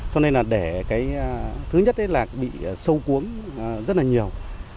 cho nên là để cái thứ nhất là bị sâu cuốn rất là nhiều